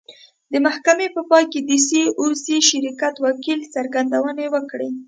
د محکمې په پای کې د سي او سي شرکت وکیل څرګندونې وکړې.